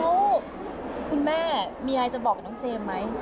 แล้วคุณแม่มีอะไรจะบอกกับน้องเจมส์ไหม